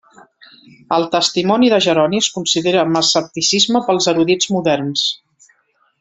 El testimoni de Jeroni es considera amb escepticisme pels erudits moderns.